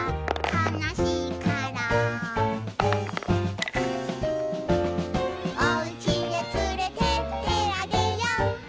「かなしいから」「おうちへつれてってあげよ」